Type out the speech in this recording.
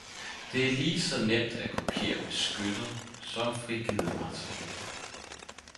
Det er ligeså nemt at kopiere beskyttet som frigivet materiale.